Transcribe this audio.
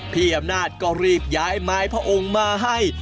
พี่อำนาจก็รีบย้ายไม้พระองค์มาให้